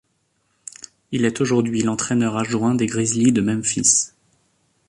Il est aujourd'hui l’entraîneur adjoint des Grizzlies de Memphis.